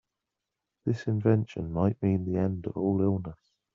This invention might mean the end of all illness.